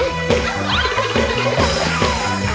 ล้อม๑คนหนึ่งจ้า